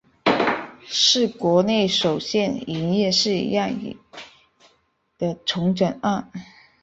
是国内首件营业式让与的重整案。